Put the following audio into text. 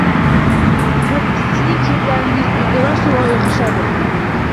Him, sizning kiyimlaringiz unga rosa loyiq tushadi!